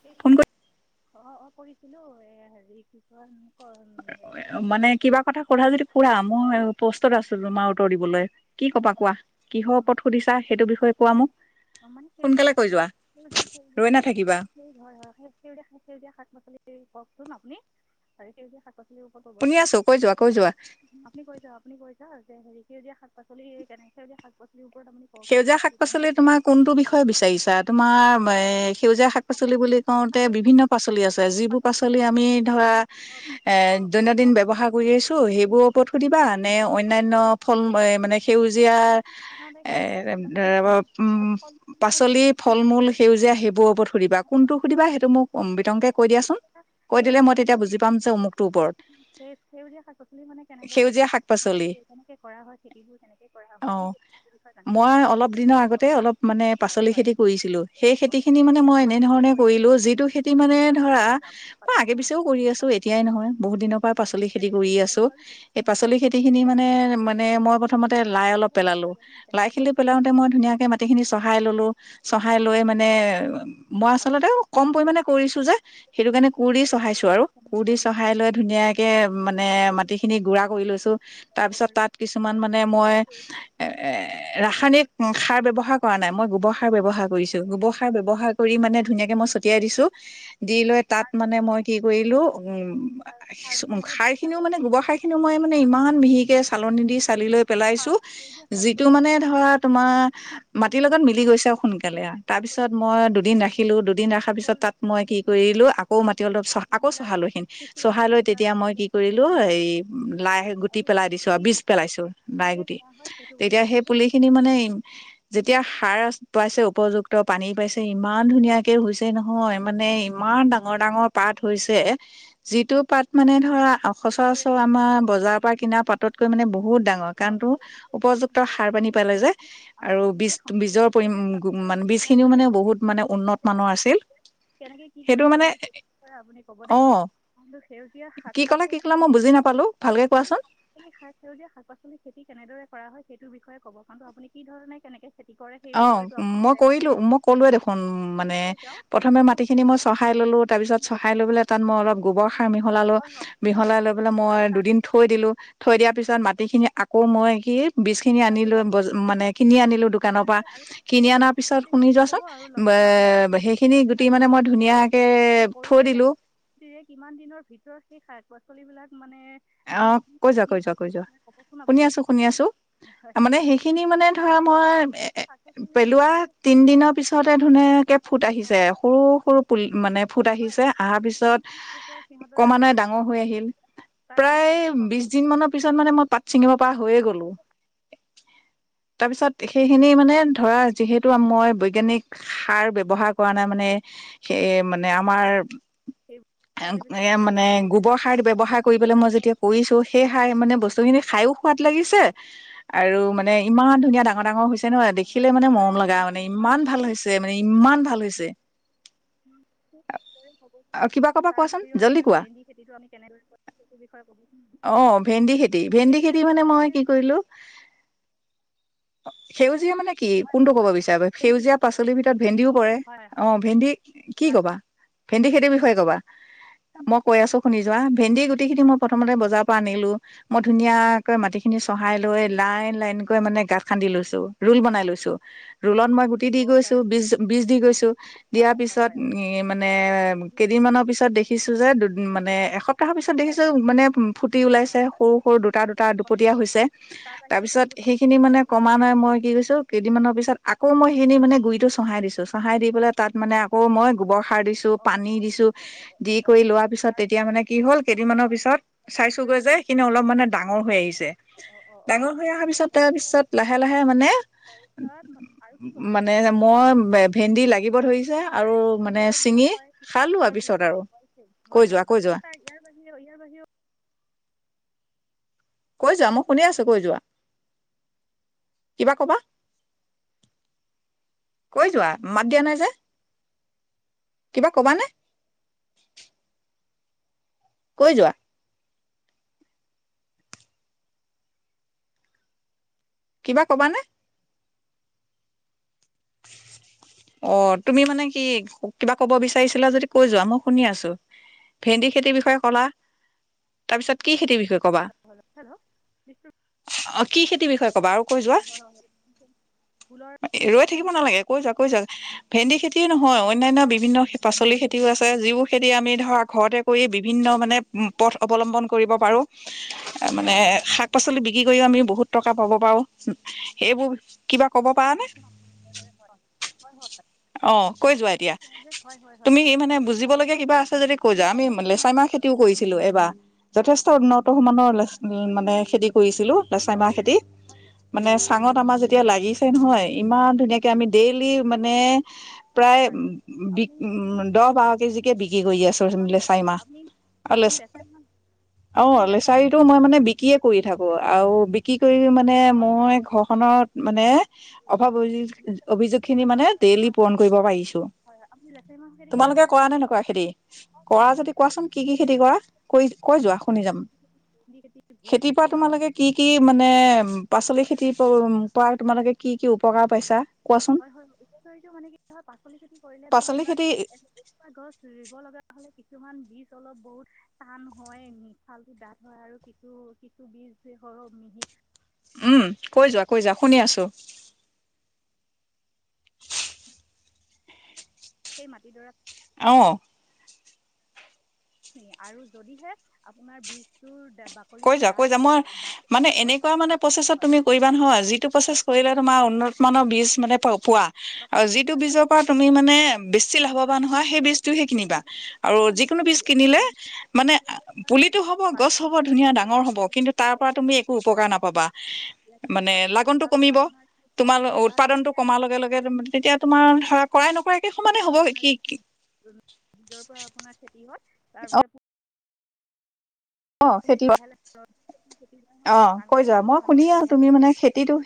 সেই ফোন অ', অ', কৰিছিলোঁ। এ, হেৰি কি কয় মানে কিবা কথা সোধা যদি সোধা। মই পষ্টত আছিলোঁ [unintelligible] উত্তৰ দিবলে হয়, হয়, মানে [unintelligible] সেইটো বিষয়ে কোৱা মোক মানে সেউজীয়া সোনকালে কৈ শাক-পাচলি। যোৱা সেউজীয়া, সেউজীয়া ৰৈ নাথাকিবা [unintelligible] হয়, হয়। সেই সেউজীয়া, সেউজীয়া শাক-পাচলি কওকচোন আপুনি [unintelligible] সেউজীয়া শাক পচলি ওপৰত শুনি আছো কৈ যোৱা কৈ [unintelligible] যোৱা আপুনি কৈ যাওঁক, আপুনি কৈ যাওঁক। এ, হেৰি সেউজীয়া শাক পাচলি [inaudible] সেউজীয়া শাক পাচ সেউজীয়া শাক পাচলি তোমাৰ কোনটো বিষয়ে বিচাৰিছা? তোমাৰ যিকোনো এই, সেউজীয়া শাক পাচলি বুলি কওঁতে বিভিন্ন পাচলি আছে, যিবোৰ পাচলি আমি ধৰা এ, অঁ অঁ দৈনন্দিন অঁ ব্যৱহাৰ কৰি আহিছোঁ, সেইবোৰৰ ওপৰত শাক পাচলি সুধিবা নে, শাক অন্যান্য শাক ফল পাচলি মানে শাক সেউজীয়া পাচলি বুলি সাধাৰণতে সেউজীয়া শাক পাচলি ধৰক ধৰক [unintelligible] ফল পাচলি নহয় ফল-মূল। সেউজীয়া সেইবোৰৰ ওপৰত সুধিবা, কোনটো সুধিবা সেইটো মোক ও, বিতংকে কৈ দিয়াচোন? কৈ সেউজীয়া দিলে শাক মই তেতিয়া বুজি পাম যে, অমুকটো ওপৰত। সেই সেউজীয়া শাক পাচলি মানে কেনেদৰে সেউজীয়া কৰা হয় মানে শাক-পাচলি? কেনেকৈ কৰা হয় খেতিবোৰ কেনেকৈ কৰা হয় সেই অ'। বিষয়ে জানিবলৈ মই অলপ দিনৰ আগতে, অলপ মানে পাচলি হয় খেতি কৰিছিলো। সেই খেতি খিনি হয় মানে মই এনেধৰণে কৰিলোঁ, যিটো খেতি মানে ধৰা, মই আগে পাচলিবোৰ নাছে পিছেও মানে কৰি আছোঁ, গম এতিয়াই নহয়। বহুত দিনৰ পৰা পাচলি খেতি কেনেকৈ কৰি কৰিব লাগে আছোঁ। বাৰু এই সেইখিনি বুজাই পাচলি খেতিখিনি মানে, মানে মই প্ৰথমতে আই অলপ দিলে গম পোৱা পেলালোঁ। যায় ন লাই কেনেকৈ খেলি কৰিব লাগে পেলাওঁতে মই ধুনীয়াকে মাটিখিনি চহাই ললোঁ, চহাই লৈ মানে মই আচলতে কম পৰিমণে কৰিছোঁ যে, সেইটো কাৰণে কোৰ দি চহাইছো আৰু। কোৰ দি চহাই লৈ ধুনীয়াকে মানে মাটিখিনি গুড়া কৰি লৈছোঁ, তাৰ হ'ব পিছত পাৰোঁ তাত কিছুমান মানে তাৰপিছত মই শাক পাচলিৰ [inaudible] ৰাসায়নিক ভিতৰত কি ও, সাৰ ব্যৱহাৰ কৰা নাই। মই গোবৰ সাৰ ব্যৱহাৰ কৰিছোঁ। গোবৰ সাৰ ব্যৱহাৰ কৰি মানে ধুনীয়াকে মই ছটিয়াই দিছোঁ। দি লৈ তাত সাৰটো মানে মই সাৰটো কি কৰিলোঁ, সাৰটো উম, কেনেকৈ সাৰ ব্যৱহাৰ খিনিও কৰে মানে, সেইটো গোবৰ সাৰ বিষয়ে খিনিও আপুনি মই ক'ব মানে কাৰণ শাক ইমান মিহিকে চালনি পাচলি দি চালি লৈ পেলাই দিছোঁ, সেউজীয়া শাক যিত মানে পাচলি আছে ধৰা তোমাৰ সেই মাটিৰ লগত মিলি গৈছে সোনকালে আৰু। তাৰ বিষয়ে পিছত মই দুদিন ৰাখিলোঁ, দুদিন ৰখাৰ সৰু পিছত ল'ৰা তাত মই ছোৱালীৰ কি বাবে কৰিলোঁ - আকৌ মাটি অলপ চ আকৌ যোনবিলাক চহালোঁ সখিনি। শিশু ল'ৰা চহাই লৈ ছোৱালীৰ তেতিয়া মই কি কাৰণে শস্য কৰিলোঁ মানুহ হেই লাই গুটি পেলাই দিছোঁ আৰু, বীজ পেলাইছোঁ। কেনেকে কৰা হয় সেইটো ক'ব তেতিয়া আপুনি সেই দেই পুলিখিনি মানে যেতিয়া সাৰ পাইছে উপযুক্ত পানী পাইছে ইমান ধুনীয়াকে হৈছে নহয়, মানে ইমান ডাঙৰ ডাঙৰ পাত হৈছে যিটো পাত মানে ধৰা সচৰাচৰ আমাৰ বজাৰৰ পৰা কিনা পাততকৈ মানে বহুত ডাঙৰ কাৰণতো উপযুক্ত সাৰ পানী পালে যে আমাক আৰু কেনেদৰে সহায় বীজ-বীজৰ কৰিব সেউজীয়া পৰি সেউজীয়া শাক উম, মান বীজখিনিও পাচলি মানে বহুত মানে উন্নত মানৰ আছিল। কেনেকৈ কি সেইটো কৰিব মানে লাগে সেই বিষয়ে আপুনি ক'ব দেই অহ, কি ক'লে কি ক'লে? [inaudible] সাৰ সেউজীয়া শাক-পাছলি খেতি কেনেদৰে কৰা হয় সেইটোৰ বিষয়ে ক'ব কাৰণ আপুনি কি ধৰণে কেনেকে অ, মই কৰিলোঁ। মই কলোয়ে দেখোন মানে কৈ যাওক প্ৰথমে কোন মাটিখিনি মই চহাই ললোঁ, তাৰ পিছত চহাই লৈ পেললে তাত মই অলপ গোবৰ সাৰ মিহালালো, হয় হয় কি সাৰ মিহলাই ব্যৱহাৰ লৈ কৰিছে মই আৰু তাৰ দুদিন থৈ ব্যৱহাৰ দিলোঁ, থৈ দিয়াৰ পিছত পিছত মাটি খিনি আকৌ মই কি বীজখিনি আনি লৈ কৰিব বজ মানে কিনি আনিলোঁ। কানৰ পৰা বাহিৰে আৰু কি কিনি সাৰ অনাৰ ব্যৱহাৰ পিছত, কৰিছে শুনি সেইটো ক'ব যোৱাচোন, আৰু লগতে আপোনাৰ এ সেইখিনি সেউজীয়া গুটি মানে মই ধুনীয়াকে থৈ কৰোতে দিলোঁ। পাছলিবিলাক মানে বীজ অ' কৈ যোৱা, কি কৈ যোৱা, কৈ যোৱা, ক'বচোন শুনি আপুনি আছোঁ, শুনি আছোঁ, হয় তাৰ মানে সেইখিনি মানে ধৰা মই এ, শাক পেলোৱা পাচলি তিন দিনৰ পিছতে ধুনীয়াকে ফুট আহিছে সৰু-সৰু পুল, মানে ফুট হয় আহিছে হয় অহাৰ কিমান পিছত দিনৰ ভিতৰত সিহঁতৰ ক মানে ডাঙৰ হৈ আহিল। তাৰ বাহিৰে কেনেকৈ প্ৰায় বংশ বিশ দিন মানৰ পিছত মানে, মই পাত ছিঙিব পৰা হৈয়ে গ'লো। তাৰ পিছত, সেইখিনি মানে ধৰা যিহেতু মই বৈজ্ঞানিক সাৰ ব্যৱহাৰ কৰা নাই মানে, সেই মানে আমাৰ সেই এ [unintelligible] মানে লাভো গোবৰ লুলেলাও সাৰ কৰিলোঁ ব্যৱহাৰ কৰি [unintelligible] মই যেতিয়া কৰিছোঁ, সেই খাই মানে বস্তুখিনি খাইও সোৱাদ লাগিছে হয় আ আৰু মানে ইমান ধুনীয়া ডাঙৰ-ডাঙৰ হৈছ হয়-হয় সদৰে হয় আৰু কিমান দিন ভাল পিছত হৈছে মানে ইমান ভাল হৈছে আৰু কিবা [unintelligible] কবা তাৰ কোৱাচোন উপৰিও জল্দি আপোনাৰ কোৱা ভেন্দি খেতিটো আমি কেনেদৰে কৰি অ', ভেন্দি খেতি, ভেন্দি সেউজীয়া খেতি মানে মই কি সেউজীয়া কৰিলোঁ অ' সেইউ সেউজীয়া মানে কি? হয় কোনটো হয় কব হয় বিচাৰব ভেন্দি সেউজীয়া পাচলিৰ ভিতৰত ভেন্দিও পৰে, হয় অ' ভেন্দি কি হয় ভাল কবা? ভেন্দি খেতিৰ বিষয়ে কবা, মই কৈ আছোঁ শুনি যোৱা, ভেন্দি মাটিখিনি মই প্ৰথমতে বজাৰ পৰা আনিলোঁ, মই ধুনীয়াকৈ মাটিখিনি চহাইলৈ লাইন লাইনকৈ মানে, গাত খান্দি লৈছোঁ, ৰোল বনাই লৈছোঁ, ৰোলত মই গুটিদি হ'ব গৈছোঁ, কাৰণ বিজ বিজদি গৈছোঁ, হয় দিয়াৰ হয় পিছত হয় এই মানে হয় হয় হয় ভেন্দি কেইদিনমানৰ পিছত দেখিছোঁ যে, দু, মানে এসপ্তাহৰ পিছ হয় দেখিছোঁ, হয় হয় মানে ফুটি ওলাইছে হয় সৰু-সৰু দুটা-দুটা হয় হয় দুফটীয়া হয় হৈছে, তাৰ পিছত সেইখিনি মানে তাৰ কমা নাই, মই কি কৰিছোঁ কেইদিনমানৰ পি আকৌ মই সেইিনি মানে গুৰিটো চহাই দিছো চহাই দি পেলাই তাত মানে আকৌ মই গোবৰ সাৰ দিছো পানী দিছো দি অঁ কৰি লোৱাৰ পিছত তেতিয়া মানে কি হ'ল কেইদিনমানৰ পিছত তেনেদৰে চাইছোগৈ মানে যে সেইখিনি কৰিছে ন অলপ মানে অঁ অঁ ডাঙৰ হৈ আহিছে অঁ অঁ অঁ ডাঙৰ অঁ হৈ অহাৰ পিছত তাৰ পিছত তাৰপিছত হয় লাহে হয় লাহে হয় মানে তাৰপিছত আৰু কি কৰিলে মানে মই ভেন্দি লাগিব কণীটো ধৰিছে তেনেদৰে আৰু কিমান মানে দিনৰ চিঙি ভিতৰত হয় খালো কিমানৰ আৰু পিছত ভিতৰত আৰু হয় সেই হয় কৈ হয় যোৱা হয় কৈ যোৱা তাৰ ইয়াৰ বাহিৰেও ইয়াৰ বাহিৰেওঁ কৈ যোৱা মই শুনি আছো কৈ যোৱা কিবা কবা কৈ যোৱা মাত দিয়া নাই যে কিবা কবানে কৈ যোৱা। কিবা কবানে অ', তুমি মানে কি কিবা কব বিচাৰিছিলা যদি কৈ যোৱা মই শুনি আছো, ভেন্দি খেতিৰ বিষয়ে ক'লা তাৰপিছত কি খেতিৰ বিষয়ে কবা হেল্ল' হেল্ল' হেল্ল' বিষ্ণু কি খেতি কি বিষয় ক'বা আৰু কৈ যোৱা হয় হয় হয় ফুলৰ ৰৈ কি থাকিব বিষয়ে নালাগে কৈ যোৱা কৈ যোৱা ভেন্দি খেতি কি নহয় কেনেকৈ অন্যান্য ধৰক আৰু বিভিন্ন বেছি পাচলিৰ খেতিও আছে। যিবোৰ খেতি আমি ধৰা ঘৰতে কৰি বিভিন্ন মানে পথ অৱলম্বন কৰিব পাৰো, মানে শাক পাচলি বিক্ৰী কৰিও আমি বহুত টকা পাব পাৰো। সেইবোৰ কিবা কব পাৰা নে বৰ্তমান অ কৈ যোৱা এতিয়া হয় হয় হয় তুমি তাৰ বাহিৰেও মানে আপুনি কল বুজিবলগীয়া আপুনি কিবা আছে কল যদি কৈ যোৱা আপুনি আমি কলৰ খেতি লেচাই কেনেদৰে মাহ কৰে খেতিও কওকচোন কৰিছিলো এইবাৰ হয় যথেষ্ট হয় উন্নত আপুনি সমানৰ মানে খেতি কৰিছিলো লেচাই মাহ খেতি মানে হয় হয় চাঙত আমাৰ যেতিয়া লাগি নহয় ইমান ধুনীয়াকে আমি দে মানে প্ৰায় হয় হয় বিক আপুনি দহ বাৰ কেজিকে বিক্ৰী কৰি আছো হয় হয় লেচাই হয় মাহ আপুনি আৰু আপুনি লেচ লেচাৰ মাহ আৰু আপুনি লেচাৰ লেচাৰিটো মই মানে বিক্ৰী কৰি থাকো আৰু বিক্ৰী কৰি মা মানে মই ঘৰখনত মানে অভাৱ অভি অভিযোগ খিনি মানে হয় হয় ডেইলি পূৰণ কৰিব পাৰিছো, হয় হয় আপুনি লেচাৰী মাহৰ খেতি তোমালোকে কেনেদৰে কৰা নে নকৰা খেতি হয় হয় কৰা মই যদি কোৱাচোন কি কি খেতি কৈ কৈ যোৱা শুনি যাম ভেন্দি খেতি ভোল খেতিৰ খেতি পৰা ৰঙালাও তোমালোকে কি খেতি কি জিকা খেতি মানে পাচলি হয় খেতি হয় উ কৰা তোমালোকে কি কি উপকাৰ পাইছা ক'ত হয়, হয় অপকাৰিটো মানে কি হয় পাচলি খেতি কৰিলে ধৰ পাচলি খেতি আপোনাৰ গছ ৰুব লগা কিছুমান বীজ অলপ বহুত টান হয়, মিশালটো ডাঠ হয় আৰু সিটো সিটো বীজ সৰ মিহি উ'ম কৈ যোৱা কৈ যোৱা শুনি আছো। সেই মাটিডৰা অ', আৰু যদিহে আপোনাৰ বীজটোৰ কৈ বাকলিটো যোৱা কৈ ডাঠ যোৱা মই হয় মানে এনেকুৱা মানে হয় হয় হয় প্ৰচেছত হয় তুমি কৰিবা নহয়, যিটো প্ৰচেছ কৰিলে তোমাৰ উন্নত মানৰ বীজ মানে পোৱা আৰু বাকলিটো যিটো হয় হয় বীজৰ পৰা তুমি মানে বেছি হয় হয় লাভৱান হোৱা সেই বীজটোহে কিনিবা আৰু বাকলিটো মানে কি যিকোনো চিলাই বীজ দিওঁ কিনিলে মানে পানীত মানে তিয়াই পুলিতো হ'ব গছ পানীত হ'ব। ধুনীয়া তিয়াই ডাঙৰ হ'ব কিন্তু তাৰ পৰা তুমি একো মানে বাৰ উপকাৰ ঘণ্টা নাপাবা, তিয়াই দিয়াৰ মানে পিছত লাগনটো তাৰপিছত কমিব আপোনাৰ তোমাৰ তাত উৎপাদনটো কমাৰ লগে লগে তেতিয়া তোমাৰ কৰাই নকৰাককে সমানে পৰা হ'ব আপোনাৰ কি, যিটো কি? বীজৰ পৰা আপোনাৰ খেতি হয় তাৰপিছত অ পুলিটো খেতি লাহে খেতি হয় অ মই চাং কৈ পাতি যোৱা দিওঁ মই চাঙত শুনিয়ে তুমি ধুনীয়াকৈ মানে খেতিটো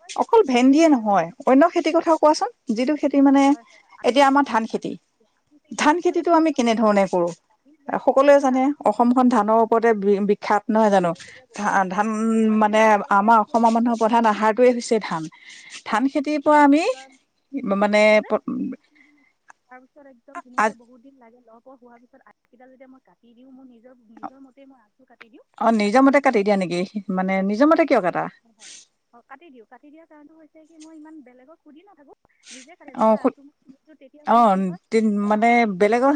হয় অকল আকৌ ভেন্দিয়ে মাজে মাজে নহয় অন্য খেতিৰ কথাও কোৱাচোন যিটো খেতি মানে হয় এতিয়া আমাৰ ধান খেতি হয় দিওঁ ধান দিয়াৰ খেতিটো ফুল আমি কেনে তাতে ধৰণে কৰো বাঢ়ি যায় সকলোৱে জানে অসমখন ধানৰ ওপৰত বিখ্যাত নহয় জানো যদিহে তেতিয়া ধা বহুত বাঢ় যায় ধান বাঢ়ি মানে যোৱাৰ লগে লগে আমাৰ তেতিয়া অসমৰ মানুহৰ প্ৰধান আহাৰটোৱে হৈছে ধান। ধান খেতিৰ পৰা আমি কি কয় মানে এইটো যেতাৰ পিছত একদম ধুনীয়াকে বহুত দিন লাগে লহ হোৱাৰ পিছত আগকেইাল যেতিয়া মই কাটি দিওঁ মোৰ নিজৰ নিজৰ মতেই মই অ নিজৰ মতে কাটি দিয়া নেকি মানে নিজৰ মতে কিয় কাটা হয় অঁ কাটি দিওঁ কাটি দিয়াৰ কাৰণটো হৈছে কি মই ইমান বেলেগক সুধি নিজে কাটে অ যেতিয়া তেতিয়া অ মানে কি হয় মানে বেলেগৰ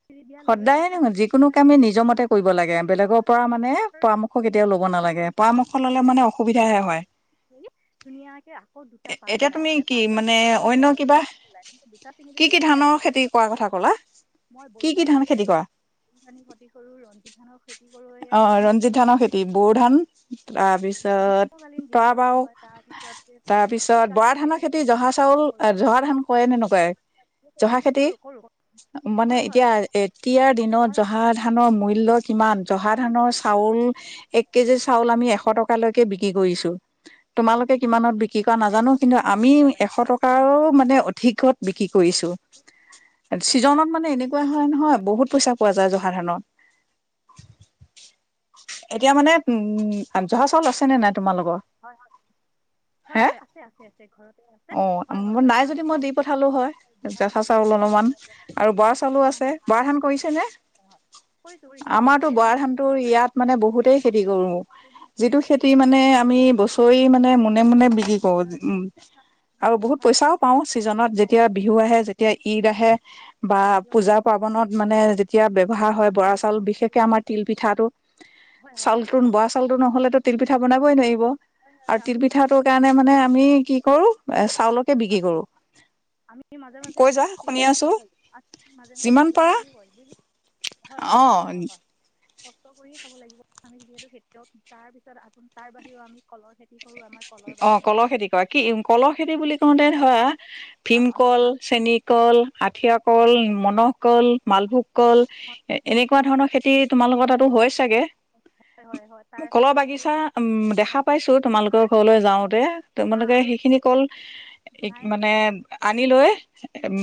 খিৰি দিয়াৰ লগে সদায়ে লগে নহয় আকৌ খি যিকোনো দিয়াৰ কামে নিজৰ মতে কৰিব লাগে বেলেগৰ পৰা মানে পৰামৰ্শ নিজ কেতিয়াও ল'ব নালাগে পৰামৰ্শ ল'লে মানে অসুবিধাহে হয় ধুনীয়াকে আকৌ দুটা পাত এতিয়া ওলাই তুমি মানে কি তাৰ পৰা এটা চিঙি অন্য দিলে কিবা দুটা ওলাই কিন্ত দুটা চিঙি কি দিলে কি চাৰিটা ধানৰ ওলায় খেতি কৰা কথা ক'লা মই [unintelligible] কি কি ধান কৰা খেতি কৰো ৰঞ্জিধানৰ [unintelligible] অ ৰঞ্জিত ধানৰ খেতি বৰো ধান তাৰপিছত তাৰত গ্ৰীষ্মকালীন যিটো তৰা খেতি বাও হয় তাৰপিছত তাৰপিছত বৰা শীতকালৰ ধানৰ খেতি যিটো জহা চাউল খেতি কৰো জহা ধান কৰেনে নকৰে সেই জহা খেতিবোৰ খেতি কৰো কৰো মানে হয় হয় এতিয়া এতিয়াৰ দিনত হয় জহা হয় ধানৰ মূল্য কিমান জহা হয় ধানৰ বহুত চাউল এক কেজি চাউল আমি এশ টক লৈকে বিক্ৰী কৰিছো তোমালোকে কিমানত বিক্ৰী কি কৰা নাজানো এশ কিন্তু এশ আমি হয় হয় এশ টকাৰ মানে অধিকত বিক্ৰী কৰিছো হয় চিজনত মানে এনেকুৱা হয় নহয় বহুত পইচা পোৱা যায় জহা ধানত এতিয়া মানে উম জহা চাউল আছে নে নাই তোমালোকৰ হয় হয় হয় হে হয় আছে আছে আছে ঘৰতে আছে অ হয় হয় হয় নাই এবাৰ যদি মই দি পঠালো হয় জহা চাউল অলপমান আৰু বৰা চাউলো আছে বৰা ধান কৰিছে নে কৰিছ [unintelligible] আমাৰতো বৰা ধানটো ইয়াত মানে বহুতেই খেতি কৰো ৰাখিছোঁ যিটো যে খেতি মানে চৈ মানে মুনে মুনে বিক্ৰী কৰো উ আৰু সেইকাৰণে বহুত ব্যৱহাৰ কৰি পইচাও পাও চিজনত হয় যেতিয়া বিহু আহে যেতিয়া ঈদ আহে বা খেতিয়ক মানুহ পূজা পাৰ্বনত হয় মানে যেতিয়া ব্যৱহাৰ হয় বৰা চ ল বিশেষকে আমাৰ তি পিঠাটো হয় হয় চাউলতোন বৰা চাউলতো নহ'লেতো তিল পিঠা বনাবই হয় আৰু হয় তিল আমি মাজে পিঠাটোৰ মাজে কাৰণে মানে আমি কি কৰো এ চাউলকে বিক্ৰী কৰো আমি মাজে মাজে কৈ যা শুনি তিলৰ আছো খেতিও কৰোঁ মাজে মাজে যিমান তিলৰ পাৰা। খেতিও কৰোঁ বুজি হয় অ হয় হয় হয় কষ্ট কৰি খাব লাগিব আমি যিহেতু খেতিয়ক তাৰপিছত আপোন তাৰ বাহিৰেও আমি কলৰ খেতি কৰোঁ আমাৰ কলৰ অ বাগান আছে কলৰ কল খেতি কৰা কি কলৰ হয় খেতি হয় বুলি কওঁতে কলৰ ধৰা ভীমকল চেনী কল আঠিয় কল মনহকলল মালভোগ কল এনেকুৱা মালভোগ ধৰণৰ কল খেতি তোমালোকৰ তাতো হয় চাগে হয় হয় হয় তাৰ কলৰ কৰোঁ বাগিছা উ হয় দেখা হয় পাইছোঁ তোমালোকৰ আপোনাৰ ঘৰলে যাওঁতে তোমালোকে আৰু সেইখিনি কল নাই মানে আনি লৈ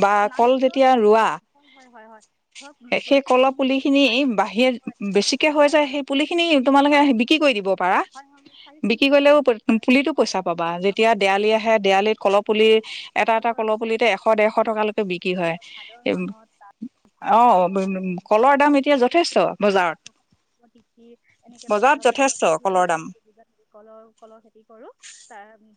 বা মানে কল ধৰক যেতিয়া ৰোৱা হয় হয় হয় হয় ধৰক সেই কলৰ তিনি পুলি খিনি চাৰি বাহিৰত চেণ্টিমিটাৰ বেছিকে হৈ হয় যায় হয় হয় সেই পুলি খিনি হয় তোমালোকে হয় বিক্ৰী কৰি দিব পাৰা হয় হয় চাৰি বিক্ৰী চেণ্টিমিটাৰ কৰিলেও হয় হয় পুলিতো হয় পইচা পাবা যেতিয়া আপোনাৰ দেৱালি চাৰি আহে হয় দেৱালিত কলহ হয় পুলি এটা এটা কলহ পুলিতে এশ দেৰশ ভাদৰ মাহত তাৰ অ ভাদ মাহত আমি কলৰ দাম এতিয়া যথেষ্ট বজাৰত তিথি এনেকে বজাৰত মাধৱদেৱৰ যথেষ্ট তিথি কলৰ আম দাম খেতি কলৰ কলৰ খেতি কৰোঁ ত আমি